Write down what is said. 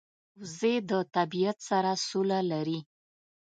وزې د طبیعت سره سوله لري